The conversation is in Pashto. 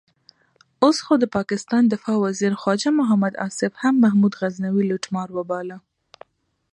اوس خو د پاکستان دفاع وزیر خواجه محمد آصف هم محمود غزنوي لوټمار وباله.